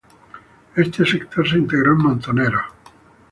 Este sector se integró a Montoneros.